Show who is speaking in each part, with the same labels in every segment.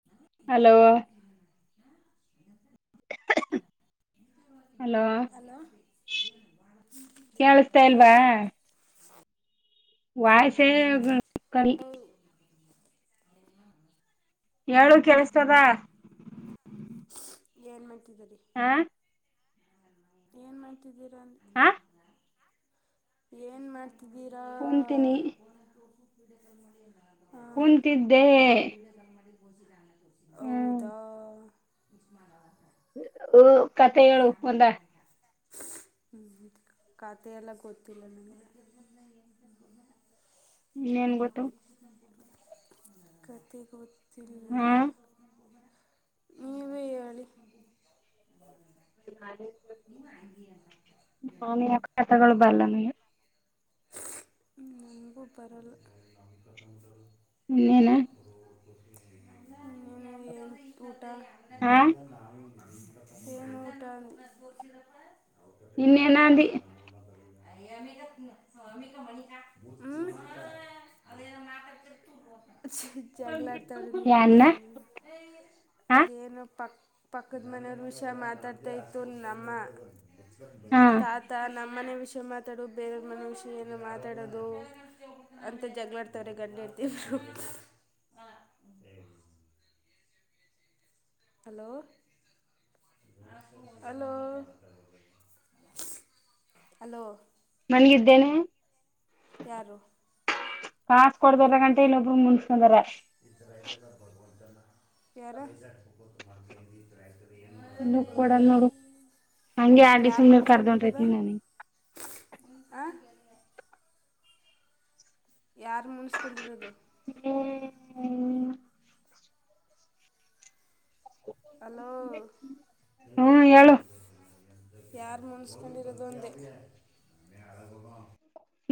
Speaker 1: [inaudible]
Speaker 2: Hello hello
Speaker 1: hello
Speaker 2: ಕೇಳಸ್ತಾ
Speaker 1: hello
Speaker 2: ಇಲ್ವಾ [inaudible] ಹೇಳು ಕೇಳಿಸ್ತದ.
Speaker 1: ಏನ್ ಮಾಡ್ತಿದ್ದಿರೀ ಬ್ರೋ....
Speaker 2: ಹಾ
Speaker 1: ಏನ್ ಮಾಡ್ತಿದ್ದೀರಾಂದ
Speaker 2: ಹ
Speaker 1: ಏನ್ ಮಾಡ್ತಿದ್ದೀರಾ.
Speaker 2: ಕುಂತೀನೀ
Speaker 1: [inaudible]
Speaker 2: ಕುಂತೀದ್ದೇ.
Speaker 1: ಹೌದಾ-
Speaker 2: ಹೌದು.
Speaker 1: [unintelligible] ಹ್ಞಹೂ ಖಾತೆ ಎಲ್ಲ ಗೊತ್ತಿಲ್ಲ ನೀನು.
Speaker 2: ಇನ್ನೇನ್ ಗೊತ್ತು
Speaker 1: ಕತೆ ಗೊ ಇಲ್ಲ
Speaker 2: ಹಾ
Speaker 1: ನೀವೇ ಹೇಳಿ.
Speaker 2: ಮಾಡಿರಬೇಕ್.
Speaker 1: ಹ್ಮ್ [unintelligible]
Speaker 2: ಕಥಗೊಳ ಬರಲ್ಲ ನಂಗೆ.
Speaker 1: ನಂಗೂ ಬರಲ್ಲ.
Speaker 2: ಇನ್ನೇನ.
Speaker 1: [unintelligible] ನೀನೆ ಹೇಳ್ ಊಟ
Speaker 2: ಹ
Speaker 1: ಎನ್ ಊಟ ಅಂದೆ.
Speaker 2: ಇನ್ನೇನಂದಿ
Speaker 1: [unintelligible] ಹ್ಮ್ [unintelligible] ಜಗಳ ಆಡ್ತವ್ರೇ ನಿಮ್ಮಪ್ಪ
Speaker 2: ಯಾನ್ನ
Speaker 1: ನಿಮ್ ಅಮ್ಮ
Speaker 2: ಹ
Speaker 1: ಅದೇನೋ ಪ್ ಪಕ್ಕದ ಮನೆಯವರು ವಿಷ ಮಾತಾಡ್ತಾ ಇತ್ತು ನೀನಮ್ಮ
Speaker 2: ಹಾ
Speaker 1: ತಾತ ನಮ್ ಮನೆ ವಿಷಯ ಮಾತಾಡು ಬೇರೆ ಅವರ್ ಮನೆ ವಿಷಯ ಯ ಮಾತಾಡೋದು ಅಂತ ಜಗಳಾಡ್ತವ್ರೆ ಗಂಡಹೆಂಡ್ತೀರು ಎ [unintelligible] ಹಲೋ ಹಲೋ ಹಲೋ.
Speaker 2: ಮಾನ್ಗಿದ್ದೇನೆ.
Speaker 1: ಯಾರು.
Speaker 2: ಕಾಸ ಕೊಡ್ದ್ರ ಗಂಟ ಇನ್ನೊಬ್ರು ಮುನ್ಸ್ಕಂಡ್ವರೆ.
Speaker 1: [unintelligible] ಯಾರು. ಗೊತ್ತು [unintelligible] ಐಯ್.
Speaker 2: ದುಡ್ಡು ಕೊಡಲ್ ನೋಡು ಹಂಗೆ ಆಡಿ
Speaker 1: ಯಾರ್
Speaker 2: ಸುಮ್ನೆ
Speaker 1: ಮುನ್ಸ್ಕೊಂಡಿರದ
Speaker 2: ಕರ್ದೊಂಟೈತಿ
Speaker 1: ಆ. ಯಾರ್ ಮುನ್ಸ್ಕೊಂಡಿರೋದು.
Speaker 2: ಹ್ಮ್
Speaker 1: ಹಲೋ
Speaker 2: ಹ್ಮ್ ಹೇಳು
Speaker 1: [unintelligible] ಯಾರ್ ಮುನ್ಸ್ಕೊಂಡಿರೋದು ಅಂದೆ.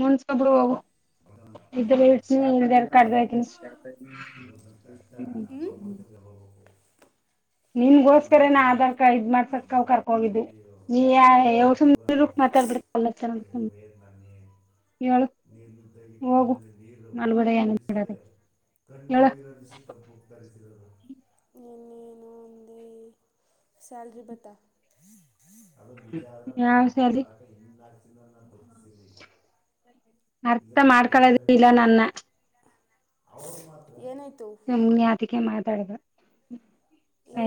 Speaker 2: ಮುನ್ಸೊಕ್ಸೋ ಬಿಡು ಹೋಗು. ಇದ್ರ ಇಡ್ತೀನಿ ಇಲ್ದರ್
Speaker 1: ಹೌದ.
Speaker 2: ಕಡ್ದ ಹೋಯ್ತೀನಿ
Speaker 1: [unintelligible] ಹ್ಮ್ಮ್ [unintelligible] ತಮ್
Speaker 2: ನಿನ್ಗೋಸ್ಕರ ನಾ ಆಧಾರ್ ಕಾರ್ಡ್ ಇದ್ ಮಾಡ್ಸಕ್ ಅವ್
Speaker 1: ತಮ್ಮಾರ್
Speaker 2: ಕರ್ಕೋಗಿದ್ದು
Speaker 1: ಹೆಣ್ಣತಿರು
Speaker 2: ನೀ
Speaker 1: ಇವತ್ಗೂ
Speaker 2: ಸುಮ್ನೆ ಮಾತಾಡ್ಬಿಡ್
Speaker 1: ಅವ್ರಿಗ್ ಬೈಯ್ಯದ ಮಾಡ್ನಿ
Speaker 2: ಹೇಳು
Speaker 1: [unintelligible] ನಿಂತಲಿ
Speaker 2: ಹೋಗು
Speaker 1: ಕಲ್ಲಲ್ಲಿ ನೀರು
Speaker 2: ಮಲ್ಗಡೆ ಏನು
Speaker 1: ಹರಿಸಿದೆ.
Speaker 2: ಬಿಡದೆ
Speaker 1: ಕಣ್ಣಲ್
Speaker 2: ಹೇಳು
Speaker 1: ನೀರ್ ಹರಿಸಿ ಕರ್ಕೊ [unintelligible] ನೀನ್ ಏನೋ ಅಂದೇ ಸ್ಯಾಲರಿ ಬತ್ತ. ಅದು ನಿಜ ಆದ್ರೆ
Speaker 2: ಯಾವ
Speaker 1: ಭಗವಂತ
Speaker 2: ಸರಿ
Speaker 1: [unintelligible]
Speaker 2: ಅರ್ಥ ಮಾಡ್ಕೊಳೋದೆ ಇಲ್ಲ ನನ್ನ.
Speaker 1: ಅವರ್ ಮಾತ್ರ ಏನಾಯ್ತು.
Speaker 2: ಸುಮ್ನೆ ಯಾತಿಕ್ಕೆ ಮಾತಾಡ್ದೆ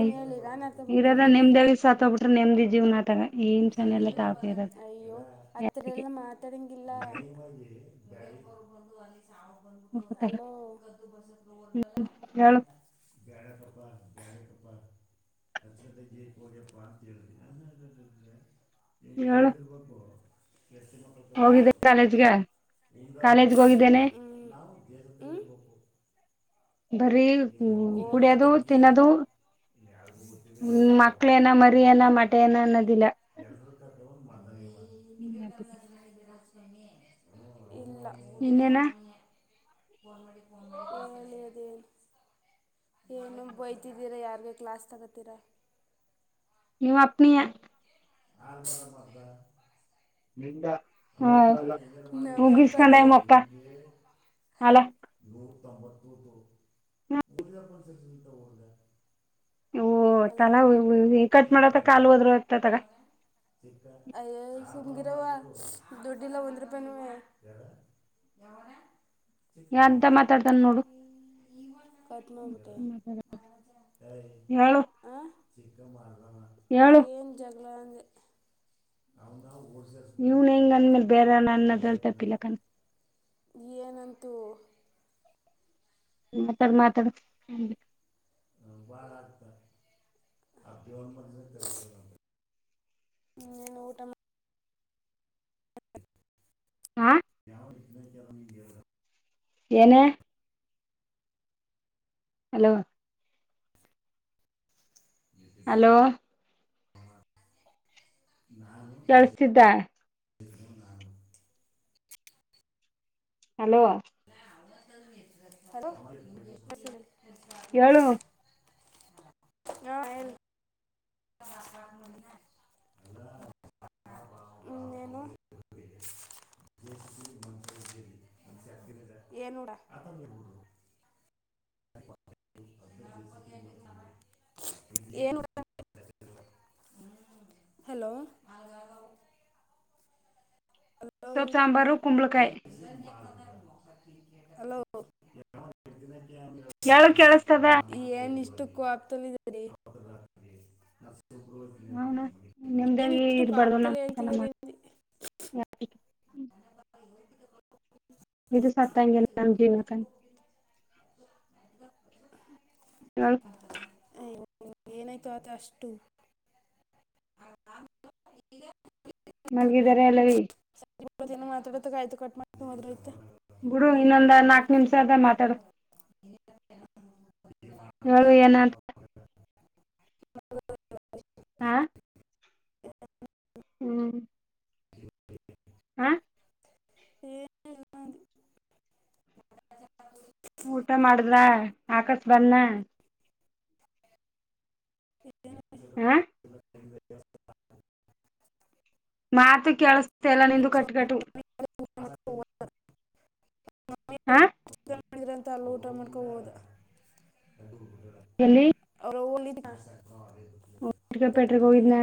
Speaker 2: ಐ
Speaker 1: ಹೇಳಿ ನಾನು ಅರ್ಥ
Speaker 2: ಇರೋದೆ
Speaker 1: ಮಾಡ್ಕೊತೀನಿ
Speaker 2: ನಿಮ್ದಲ್ಲಿ ಸತೋಗ್ಬಿಟ್ರೆ ನೆಮ್ಡಿ ಜೀವ್ನ ಅತಾಗೆ.
Speaker 1: ಅಯ್ಯೋ ಅತ್ರ
Speaker 2: ಯಾತಿಗೆ
Speaker 1: ಎಲ್ಲ ಮಾತಡಂಗಿಲ್ಲ. ಹಲೋ. [inaudible]
Speaker 2: ಹೇಳು
Speaker 1: [inaudible] [inaudible]
Speaker 2: ಹೋಗಿದ್ದ ಕಾಲೇಜ್ಗೆ. ಕಾಲೇಜ್ಗೆ ಹೋಗಿದ್ದೇನೆ
Speaker 1: ಹ್ಮ್ಮ್ ಹ್ಮ್.
Speaker 2: ಬರೀ ಕುಡಿಯದು
Speaker 1: ಹೋಗಿದ್ದೆ ಇಲ್ಲ
Speaker 2: ತಿನ್ನದು.
Speaker 1: [inaudible]
Speaker 2: ಹ್ಮ್ ಮಕ್ಳೇನ ಮರಿ ಎನ ಮಟ ಏನ ಅನ್ನೋದಿಲ್ಲ.
Speaker 1: ಇಲ್ಲ.
Speaker 2: ಇನ್ನೇನ
Speaker 1: ಏಳೋದೆ. ಏನೆನೊ ಬೈತಿದ್ದೀರಾ ಯಾರ್ಗೊ ಕ್ಲಾಸ್ ತಗತರಾ.
Speaker 2: ನಿಮ್ ಅಪ್ನಿಯ.
Speaker 1: [inaudible]
Speaker 2: ನಿಂದ.
Speaker 1: ನಮ್ಮಪ್ಪಾನ.
Speaker 2: ಮಕ್ಕ ಅಲ
Speaker 1: [inaudible]
Speaker 2: ಓ ತಲ [unintelligible] ಕಟ್ ಮಾಡತ್ತ ಕಾಲು ಹೋದ್ರು ಹೋಗ್ತಾತತ್ತಾಗ.
Speaker 1: ಅಯ್ಯೋ ಸುಮ್ಗಿರವ ದುಡಿಲ್ಲ ಒಂದ್ ರೂಪಾಯ್ನುವ. ಯಾವಗಾ.
Speaker 2: ಅಂತ ಮಾತಾಡ್ತಾನ ನೋಡು
Speaker 1: ಕಟ್ ಮಾಡ್ಬಿಟ.
Speaker 2: ಹೇಳು
Speaker 1: ಹಾ
Speaker 2: ಹೇಳು
Speaker 1: ಏನ್ ಜಗಳ ಅಂದೆ. [inaudible]
Speaker 2: ನೀವ್ ನೀವ್ ನನ್ನ ಬೇರೆ ನನ್ನದೇನ್ ತಪಿಲ್ಲ ಕನ್.
Speaker 1: ಏನಂತು.
Speaker 2: [unintelligible] ಮಾತಡು.
Speaker 1: [inaudible] ಹ್ಮ್ ನಿನ್ ಊಟ
Speaker 2: ಹಾ.
Speaker 1: [inaudible]
Speaker 2: ಏನೆ. ಹಲೋ. ಹಲೋ
Speaker 1: [inaudible]
Speaker 2: ತಿದ್ದಾ.
Speaker 1: [inaudible]
Speaker 2: ಹಲೋ.
Speaker 1: ಹಲೋ.
Speaker 2: ಹೇಳು
Speaker 1: ಹಾ. [unintelligible] [inaudible] [inaudible] [inaudible] [inaudible] ಏನು ಊಟ. ಏನು ಊಟ. ಹಲೋ ಹಲೋ
Speaker 2: ಸೊಪ್ಪು ಸಾಂಬಾರು ಕುಂಬಳಕಾಯಿ.
Speaker 1: ಹಲೋ. [inaudible]
Speaker 2: ಹೇಳು ಕೇಳಸ್ತದ
Speaker 1: ಏನು ಇಷ್ಟು ಕೊಪ್ಪದಲ್ಲಿ ಇದರಿ.
Speaker 2: ಹೌನು ನಿಮ್ದಾಗಿ
Speaker 1: ಏನಿಷ್ಟು
Speaker 2: ಇರ್ಬಾರ್ದು
Speaker 1: ಕೋಪದಲ್ಲಿ
Speaker 2: ನಮ್
Speaker 1: ಹೇಳ್ತಿದಿರೀ
Speaker 2: ಮಾಡ
Speaker 1: ಅಂದಿ.
Speaker 2: ಇದು ಸತ್ತತಾಯಂಗಗೆಲ್ಲ ನಮ್ಮ ಜೀವನಕ.
Speaker 1: [inaudible]
Speaker 2: ಹ
Speaker 1: ಅಯ್ಯೋ, ಏನಾಯ್ತು ಅದು ಅಷ್ಟು. [unintelligible]
Speaker 2: ಮಲ್ಗಿದಿದ್ದಾರೆ ಎಲ್ಲವೀ.
Speaker 1: ಮಾತಾಡುತ್ತೆಯ್ತು ಕಟ್ ಮಾಡ್ಕತಿನಿ ಹೋದ್ರೆ ಹೋಯ್ತಾ.
Speaker 2: ಬಿಡು ಇನ್ನೊಂದು ನಾಲ್ಕ್ ನಿಮಿಷ ಆದಮಾತಾಡು. ಹೇಳು ಏನಾ ಅಂತ. ಹಾ ಹ್ಮ್ ಹಾ
Speaker 1: ಹೇ. [unintelligible]
Speaker 2: ಊಟ ಮಾಡಿದ್ಲ ಆಕಾಶ್ ಬಂದ್ನ.
Speaker 1: [unintelligible]
Speaker 2: ಹಾ.
Speaker 1: [inaudible]
Speaker 2: ಮಾತು ಕೇಳಸ್ತಲ್ಲ ನಿಂದು
Speaker 1: ಸೊ,
Speaker 2: ಕಟ್ಟುಕಟ್ಟು.
Speaker 1: [inaudible]
Speaker 2: ಹಾ
Speaker 1: ಚಿಕನ್ ಮಾಡಿದ್ರಂತ ಅಲ್ಲಿ ಊಟ ಮಾಡಿಕೊಂಡು ಹೋದ.
Speaker 2: ಎಲ್ಲಿ
Speaker 1: [unintelligible]
Speaker 2: ಶುಗರ್ ಫ್ಯಾಕ್ಟರಿಗೆ ಹೋಗಿದ್ನಾ.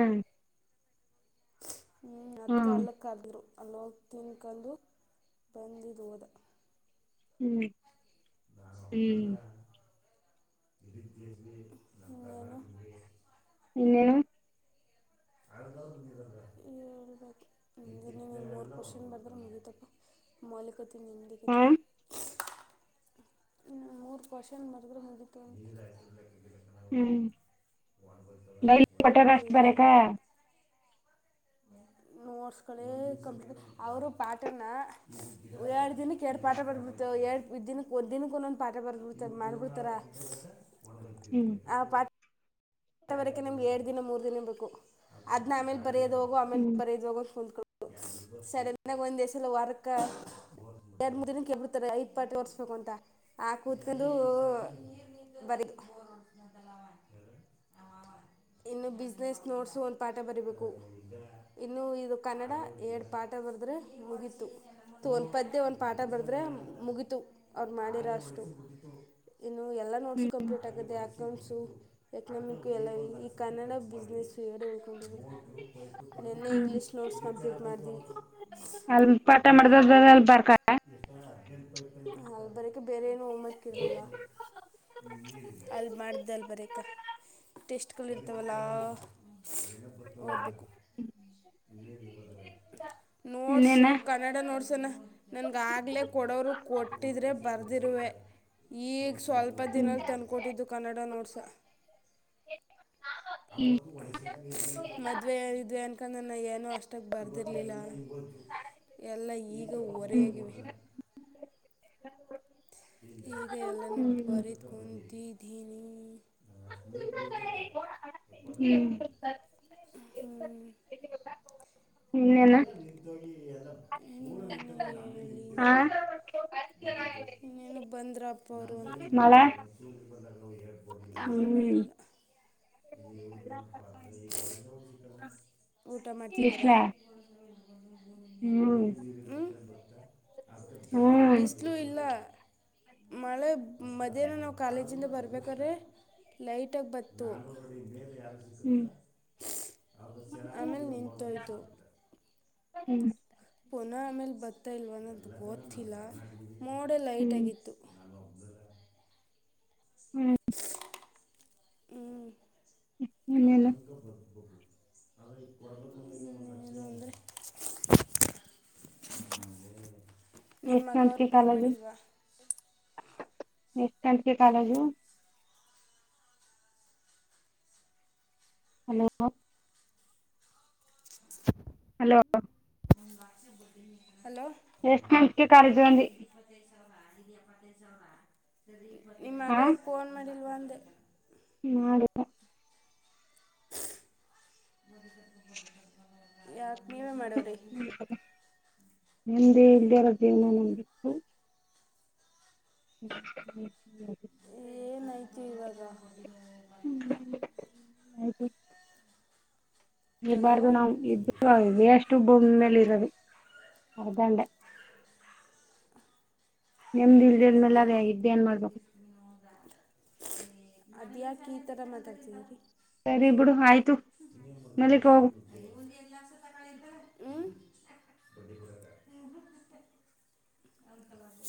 Speaker 1: ಹ್ಮ್ ಅದ್ದಕ. ಕರಿದಿದ್ರು ಅಲ್ಲಿ ಹೋಗಿ ತಿನ್ಕೊಂಡು ಬಂದಿದು ಹೋದ.
Speaker 2: ಹ್ಮ್ ಹ್ಮ್
Speaker 1: [unintelligible]
Speaker 2: ಇನೇನು.
Speaker 1: [unintelligible] ಮಾಲೀಕತೀನಿ
Speaker 2: ಹಾ
Speaker 1: ಇನ್ನು ಮೂರು ಕೋಶನ್ ಬರುದ್ರೆ ಮುಗೀತು.
Speaker 2: ಹ್ಮ್ ಡೈಲಿ ಕೊಟ್ಟರ ಅಷ್ಟು ಬರಿಯಕ್ಕಾ.
Speaker 1: ನೋಟ್ಸ್ಗಳೇ ಕಂಪ್ಲೀಟ್ ಅವರು ಪಾಠನಾ ಎರಡು ದಿನಕ್ಕೆ ಎರಡು ಪಾಠ ಎರಡು ದಿನಕ್ಕೆ ಒಂದು ದಿನಕ್ಕೆ ಒಂದೊಂದು ಪಾಠ ಮಾಡಿಬಿಡುತ್ತಾರ..
Speaker 2: ಹ್ಮ್
Speaker 1: ಆ ಪಾಠ. [unintelligible] ಎರಡ್ ದಿನ ಮೂರ್ ದಿನ ಬೇಕ ಅದನ ಆಮೇ ಬರೋದು ಹೋಗೋ ಆಮೇ
Speaker 2: ಹ್ಮ್
Speaker 1: ಬರೋದ ಹೋಗೋ. [unintelligible] ಸಡನ್ನಾಗಿ ಒಂದೇ ಸಲ ವಾರಕ್ಕ. [unintelligible] ಎರಡು ಮೂರ್ ದಿನಕ್ಕ [unintelligible] ಐದುಪಟ್ ತೊರ್ಸ್ಬೇಕು ಅಂತ ನಾ ಕೂತ್ಕೊಂಡು. [unintelligible] [unintelligible] ಇನ್ನು ಬಿಸ್ನೆಸ್ ನೋಡ್ಸು ಒಂದು ಪಾಠ ಬರೀಬೇಕು. ಇನ್ನು ಇದು ಕನ್ನಡ ಎರಡು ಪಾಠ ಬರೆದ್ರೆ ಮುಗೀತು. ಒಂದು ಪದ್ಯ ಒಂದು ಪಾಠ ಬರೆದ್ರೆ ಮುಗೀತು ಅವ್ರು ಮಾಡಿರ ಅಷ್ಟು. ಇನ್ನು ಎಲ್ಲ ನೋಟ್ಸು
Speaker 2: ಹ್ಮ್
Speaker 1: ಕಂಪ್ಲೀಟ್ [unintelligible] ಅಕೌಂಟ್ಸು. ನಮಗೊ ಎಲ್ಲ ಈ ಕನ್ನಡ ಬಿಸ್ನೆಸ್ಸು ಎರಡು ಉಳ್ಕೊಂಡಿದೆ. ನೆನ್ನೆ
Speaker 2: ಹ್ಮ್
Speaker 1: ಇಂಗ್ಲೀಷ್ ನೋಟ್ಸ್ ಕಂಪ್ಲೀಟ್ ಮಾಡಿಧಿ. [unintelligible]
Speaker 2: [unintelligible] ಪಾಠ [unintelligible] [unintelligible] [unintelligible]
Speaker 1: [unintelligible] ಬರಿಯಾಕೆ ಬೇರೆ ಏನು ಹೋಮೇವರ್ಕ್ ಇರ್ಲಿಲ್ವ. [unintelligible] ಅಲ್ ಮಾಡ್ದ ಅಲ್ ಬರಿ ಅಕ್ಕ. ಟೇಸ್ಟ್ಗಳು ಇರ್ತಾವಲ್ಲ ಓದಬೇಕು. [unintelligible] ನೋಟ್ಸು
Speaker 2: ಇನ್ನೇನ
Speaker 1: ಕನ್ನಡ ನೋಟ್ಸ್ನ್ನ. ನಂಗೆ ಆಗಲೇ ಕೊಡೋರು ಕೊಟ್ಟಿದ್ರೆ ಬರ್ದಿರುವೆ. ಈಗ್ ಸ್ವಲ್ಪ
Speaker 2: ಹ್ಮ್
Speaker 1: ದಿನಲ್ಲಿ ತಂದುಕೊಟ್ಟಿದ್ದು ಕನ್ನಡ ನೋಟ್ಸ್. ಮದುವೆ [unintelligible] ಅನ್ಕೊಂಡು ನನ್ನ ಏನೋ. [unintelligible] ಬರ್ದಿರಲಿಲ್ಲ ಎಲ್ಲ ಈಗ
Speaker 2: ಹ್ಮ್
Speaker 1: ಹೊರೆಯಾಗಿವಿ.
Speaker 2: [inaudible]
Speaker 1: ಈಗ ಎಲ್ಲಾನ
Speaker 2: ಹ್ಮ್ ಹ್ಮ್
Speaker 1: ಬರಿ ಕುಂತಿದೀನಿ.
Speaker 2: ಹ್ಮ್
Speaker 1: ಹ್ಮ್ [inaudible]
Speaker 2: ಇನ್ನೇನ ಹಾ
Speaker 1: [unintelligible] ಇನ್ನೇನು ಬಂದ್ರ ಅಪ್ಪ ಅವರು
Speaker 2: ಮಳೆ
Speaker 1: [unintelligible] ಮಳೆ
Speaker 2: ಹ್ಮ್ [inaudible]
Speaker 1: ಇಲ್ಲ ಊಟ ಮಾಡ್ತಿದಿರಾ.
Speaker 2: ಬಿಸ್ಲ
Speaker 1: [unintelligible]
Speaker 2: ಹ್ಮ್
Speaker 1: ಉಹ್ಹ್
Speaker 2: ಹ್ಮ್
Speaker 1: ಬಿಸಿಲು ಇಲ್ಲ. ಮಳೆ ಮಧ್ಯಾಹ್ನ ನಾವು ಕಾಲೇಜ್ಯಿಂದ ಬರ್ಬೇಕಾರೆ ಲೈಟಾಗ್ ಬತು..
Speaker 2: ಹ್ಮ್
Speaker 1: [unintelligible] ಆಮೇಲೆ ನಿಂತಂತೋಯ್ತು.
Speaker 2: ಹ್ಮ್ [inaudible]
Speaker 1: ಪುನಃ ಆಮೇಲೆ ಬರ್ತಾ ಇಲ್ವ ಅನ್ನೋದು ಗೊತ್ತಿಲ್ಲ ಮೋಡ ಲೈಟ್
Speaker 2: ಹ್ಮ್
Speaker 1: ಆಗಿತ್ತು. [unintelligible]
Speaker 2: ಹ್ಮ್ [unintelligible]
Speaker 1: ಹ್ಮ್ [unintelligible] [unintelligible]
Speaker 2: ಇನ್ನೇನು
Speaker 1: [unintelligible] ನಿಮ್
Speaker 2: ಎಷ್ಟ
Speaker 1: ಮಗ ಅವ್ರು ಫೋನ್ ಮಾಡಲ್ವಾ.
Speaker 2: [unintelligible] ಎಷ್ಟು ಗಂಕೆ ಕಾಲೇಜು. ಹಲೋ. ಹಲೋ.
Speaker 1: [unintelligible] ಹಲೋ.
Speaker 2: [unintelligible] ಎಷ್ಟು ಕಾಲೇಜ ಬಿ.
Speaker 1: [unintelligible] ನಿಮ್ ಮಗ
Speaker 2: ಹಾ
Speaker 1: ಫೋನ್ ಮಾಡಲ್ವಾಂದೆ.
Speaker 2: [unintelligible]
Speaker 1: [unintelligible] ಯಾಕ ನೀವೇ ಮಾಡವ್ರಿ.
Speaker 2: ನೆಮ್ದೆ ಇಲ್ಲದಿರೋ ಜೀವನ ನಮ್ದು. [unintelligible] [unintelligible] [inaudible]
Speaker 1: ಏನ್ ಆಯ್ತು ಇವಾಗ? [inaudible] [unintelligible]
Speaker 2: [inaudible] [unintelligible]
Speaker 1: ಹಲೋ
Speaker 2: ಇರಬಾರ್ದು ನಾವು ಇದ್ದ ನಾವ್ ವೇಸ್ಟು ಭೂಮಿ ಮೇಲೆ ಇರೋದು ಅರ್ಧಂಡ. [unintelligible] ನೆಮ್ಮದಿ ಇಲ್ಲದದ್ಮೇಲೆ ಅದೇ ಇದ್ದ ಏನ್ ಮಾಡಬೇಕು. [unintelligible]
Speaker 1: ಅದ್ಯಾಕ ಈ ತರ ಮಾತಾಡ್ತಿದರಿ. [inaudible] [unintelligible]
Speaker 2: ಸರಿ ಬಿಡು ಆಯ್ತು ಮಲಿಗ ಹೋಗು. [unintelligible]
Speaker 1: ಹೂ. [inaudible] [unintelligible] [inaudible]